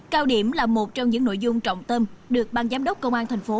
cao điểm là một trong những nội dung trọng tâm được bang giám đốc công an thành phố